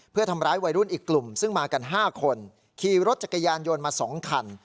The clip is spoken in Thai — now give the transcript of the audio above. เพื่อทำร้ายวัยรุ่นอีกกลุ่มซึ่งมากัน๕คนขี่รถจักรยานยนต์มา๒คัน